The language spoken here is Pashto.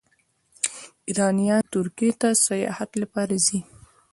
ایرانیان ترکیې ته د سیاحت لپاره ځي.